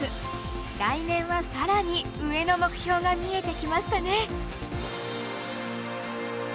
来年はさらに上の目標が見えてきましたね！